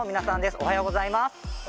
おはようございます。